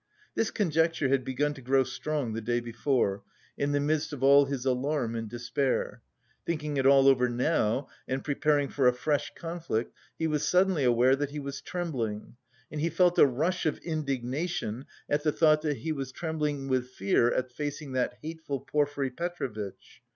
This conjecture had begun to grow strong the day before, in the midst of all his alarm and despair. Thinking it all over now and preparing for a fresh conflict, he was suddenly aware that he was trembling and he felt a rush of indignation at the thought that he was trembling with fear at facing that hateful Porfiry Petrovitch.